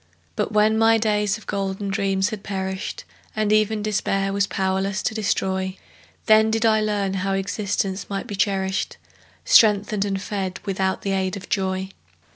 But when my days of golden dreams had perished, And even Despair was powerless to destroy, Then did I learn how existence might be cherished, Strengthened and fed without the aid of joy.